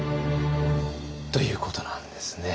ということなんですね。